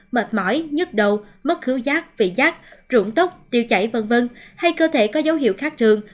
mệt mỏi nhức đầu mất khứu rác vị giác rụng tốc tiêu chảy v v hay cơ thể có dấu hiệu khác thường